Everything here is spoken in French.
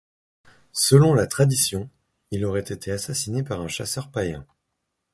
Selon la tradition, il aurait été assassiné par un chasseur païen.